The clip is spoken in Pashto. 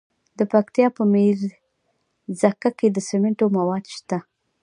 د پکتیا په میرزکه کې د سمنټو مواد شته.